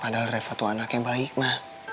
padahal reva tuh anak yang baik ma